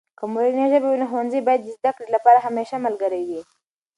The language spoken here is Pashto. که مورنۍ ژبه وي، نو ښوونځي باید د زده کړې لپاره همیشه ملګری وي.